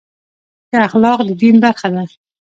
ښه اخلاق د دین برخه ده.